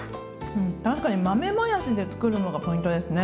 確かに豆もやしで作るのがポイントですね。